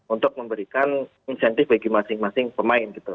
untuk memberikan insentif bagi masing masing pemain gitu